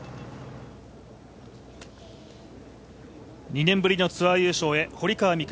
２年ぶりのツアー優勝へ、堀川未来